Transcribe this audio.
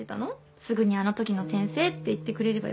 すぐにあのときの先生って言ってくれればよかったのに